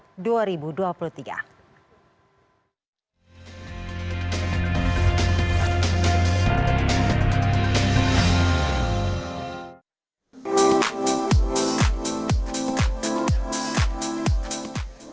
pembangunan pusri palembang